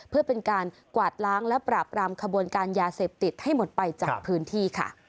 เพื่อเป็นการกวาดล้างและปราบรามขบวนการยาเสพติดให้หมดไปจากพื้นที่ค่ะ